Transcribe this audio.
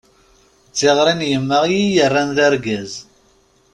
D tiɣri n yemma, i yi-erran d argaz.